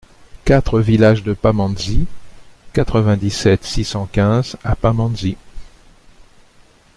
quatre vILLAGE DE PAMANDZI, quatre-vingt-dix-sept, six cent quinze à Pamandzi